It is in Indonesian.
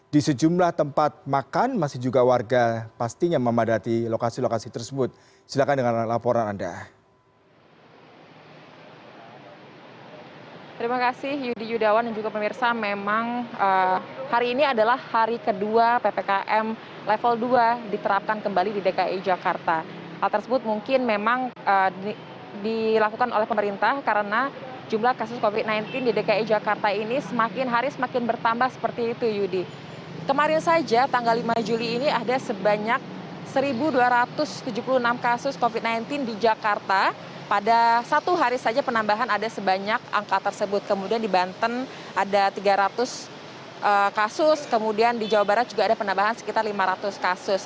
di jakarta pada satu hari saja penambahan ada sebanyak angka tersebut kemudian di banten ada tiga ratus kasus kemudian di jawa barat juga ada penambahan sekitar lima ratus kasus